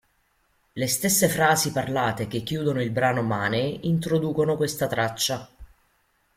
Le stesse frasi parlate che chiudono il brano Money introducono questa traccia.